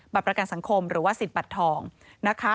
ประกันสังคมหรือว่าสิทธิ์บัตรทองนะคะ